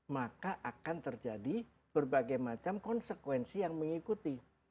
maka akan terjadi berbagai macam konsekuensi yang mengikuti